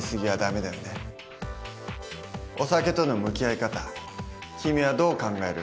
お酒との向き合い方君はどう考える？